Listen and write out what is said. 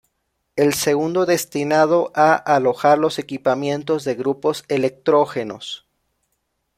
El segundo destinado a alojar los equipamientos de grupos electrógenos.